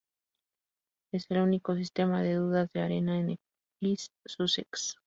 Es el único sistema de dunas de arena en East Sussex.